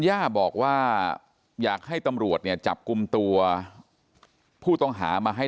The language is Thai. ย่าบอกว่าอยากให้ตำรวจเนี่ยจับกลุ่มตัวผู้ต้องหามาให้